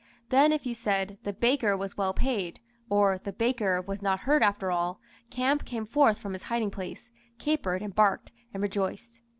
Then if you said, 'the baker was well paid,' or, 'the baker was not hurt after all,' Camp came forth from his hiding place, capered, and barked, and rejoiced.